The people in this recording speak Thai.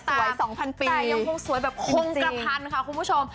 ๒๐๐ปีแต่ยังคงสวยแบบคงกระพันค่ะคุณผู้ชม